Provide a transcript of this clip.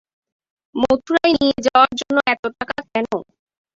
মথুরায় নিয়ে যাওয়ার জন্য এত টাকা কেন?